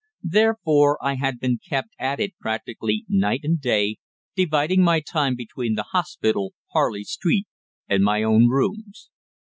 Therefore, I had been kept at it practically night and day, dividing my time between the hospital, Harley Street, and my own rooms.